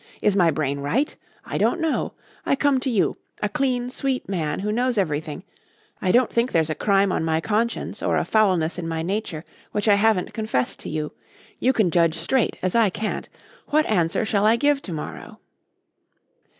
Is my brain right? I don't know. I come to you a clean, sweet man who knows everything I don't think there's a crime on my conscience or a foulness in my nature which I haven't confessed to you. You can judge straight as I can't. What answer shall I give to morrow?"